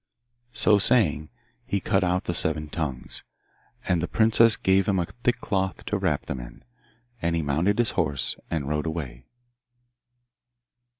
So saying he cut out the seven tongues, and the princess gave him a thick cloth to wrap them in; and he mounted his horse and rode away.